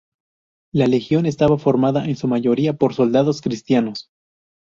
La legión estaba formada en su mayoría por soldados cristianos.